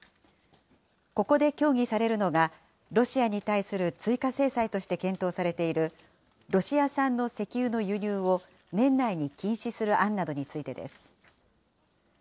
ここで協議されるのが、ロシアに対する追加制裁として検討されている、ロシア産の石油の輸入を年内に禁止する案などについてです。